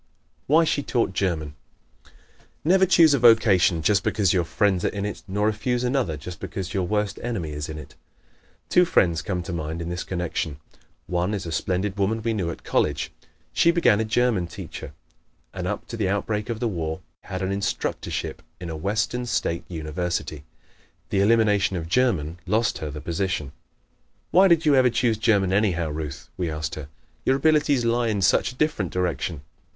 Why She Taught German ¶ Never choose a vocation just because your friends are in it, nor refuse another just because your worst enemy is in it. Two friends come to mind in this connection. One is a splendid woman we knew at college. She became a German teacher and up to the outbreak of the War had an instructorship in a western state university. The elimination of German lost her the position. "Why did you ever choose German, anyhow, Ruth?" we asked her. "Your abilities lie in such a different direction."